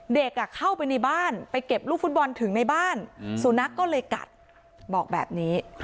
เด็กเข้าไปในบ้านไปเก็บลูกฟุตบอลถึงในบ้านสุนัขก็เลยกัดบอกแบบนี้